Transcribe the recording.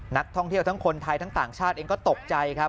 นักท่องเที่ยวทั้งคนไทยทั้งต่างชาติเองก็ตกใจครับ